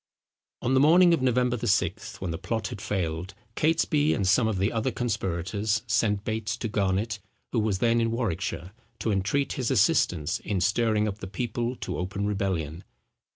On the morning of November the 6th, when the plot had failed, Catesby and some of the other conspirators sent Bates to Garnet, who was then in Warwickshire, to entreat his assistance in stirring up the people to open rebellion.